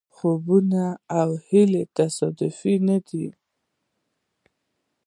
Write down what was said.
خوبونه او هیلې تصادفي نه دي.